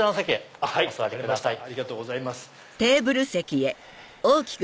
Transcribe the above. ありがとうございます。